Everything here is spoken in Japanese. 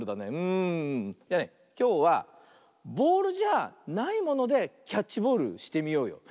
きょうはボールじゃないものでキャッチボールしてみようよ。